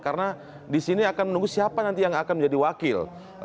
karena di sini akan menunggu siapa nanti yang akan menjadi wakil